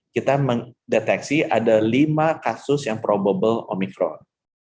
kita mendeteksi ada lima kasus yang probable omicron